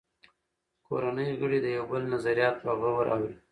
کورنۍ غړي د یو بل نظریات په غور اوري